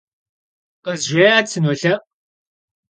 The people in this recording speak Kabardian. Khızjjê'et, sınolhe'u!